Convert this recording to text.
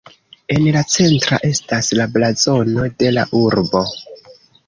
En la centra estas la blazono de la urbo.